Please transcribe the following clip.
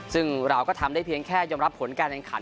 ซึ่งเราก็ทำได้เพียงแค่ยอมรับผลการแข่งขัน